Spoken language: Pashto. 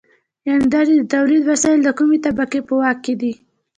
یانې دا چې د تولید وسایل د کومې طبقې په واک کې دي.